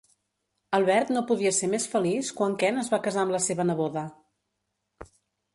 Albert no podia ser més feliç quan Ken es va casar amb la seva neboda.